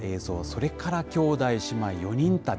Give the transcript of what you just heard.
それから兄弟姉妹４人旅。